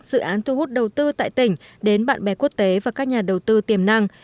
dự án thu hút đầu tư tại tỉnh đến bạn bè quốc tế và các nhà đầu tư tiềm năng